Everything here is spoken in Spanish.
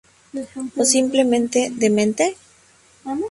O simplemente ¿demente?